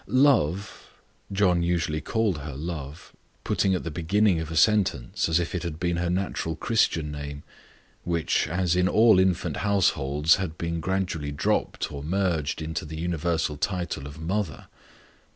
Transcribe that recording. "Love" John usually called her "Love" putting it at the beginning of a sentence, as if it had been her natural Christian name which, as in all infant households, had been gradually dropped or merged into the universal title of "Mother."